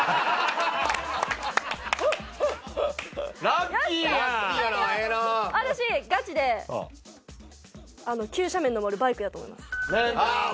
ラッキーやんラッキーやなええな私ガチで急斜面のぼるバイクやと思いますああ